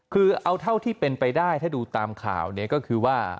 คือเอาเท่าที่เป็นไปได้ถ้าดูตามข่าวเนี่ยก็คือว่า